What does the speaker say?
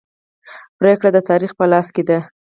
پریکړه د تاریخ په لاس کې ده.